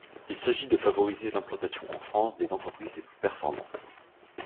Il s’agit de favoriser l’implantation en France des entreprises les plus performantes.